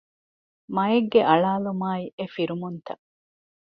މައެއްގެ އަޅާލުމާއި އެ ފިރުމުންތައް